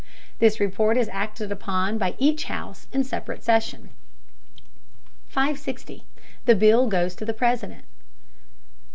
This report is acted upon by each house in separate session. 560. THE BILL GOES TO THE PRESIDENT.